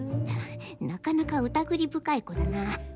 なかなかうたぐりぶかい子だな。